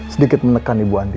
sedikit menekan ibu andin